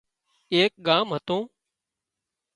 ايڪ ڳام هتون